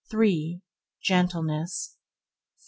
Gentleness 4.